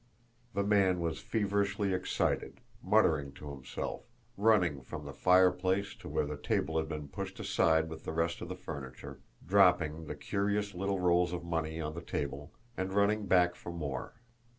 The man was feverishly excited, muttering to himself, running from the fireplace to where the table had been pushed aside with the rest of the furniture, dropping the curious little rolls of money on the table, and running back for more.